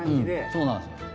そうなんです。